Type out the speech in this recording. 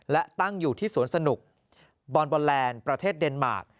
และตั้งอยู่ที่สวนสนุกบอลบอนแลนด์ประเทศเดนมาร์ค